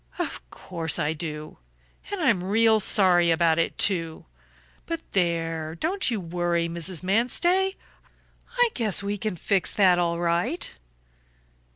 "Of course I do. And I'm real sorry about it, too. But there, don't you worry, Mrs. Manstey. I guess we can fix that all right."